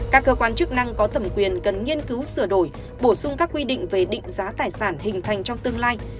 các cơ quan chức năng có thẩm quyền cần nghiên cứu sửa đổi bổ sung các quy định về định giá tài sản hình thành trong tương lai